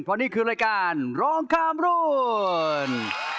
เพราะนี่คือรายการร้องข้ามรุ่น